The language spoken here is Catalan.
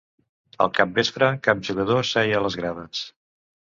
Al capvespre, cap jugador seia a les grades.